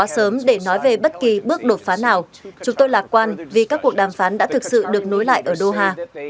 sớm để nói về bất kỳ bước đột phá nào chúng tôi lạc quan vì các cuộc đàm phán đã thực sự được nối lại ở doha